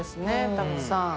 たくさん。